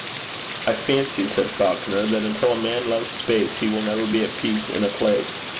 'I fancy,' said Falconer, 'that until a man loves space, he will never be at peace in a place.